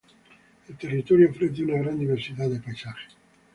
El territorio ofrece una gran diversidad de paisajes.